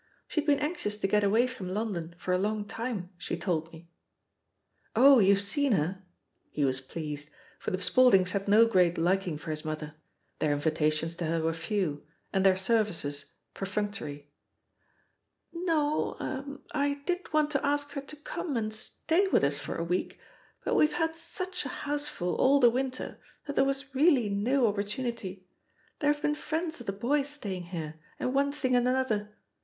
She'd been anxious to get away from London for a long time, she told me.'* "Oh, you've seen her?" He was pleased, for the Spauldings had no great liking for his THE POSITION OF PEGGY HARPER 17 mother; their invitations to her were few, and their services perfunctory, "No — er — I did want to ask her to come and stay with us for a week, but weVe had such a houseful all the winter that there was reaUy no opportunity — there have been friends of the boys staying here, and one thing and another.